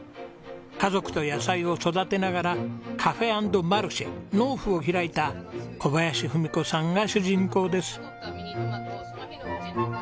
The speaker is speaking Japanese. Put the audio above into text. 家族と野菜を育てながらｃａｆｅ＆ｍａｒｃｈｅｎｆｕを開いた小林郁子さんが主人公です。